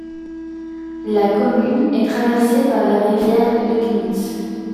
La commune est traversée par la rivière Löcknitz.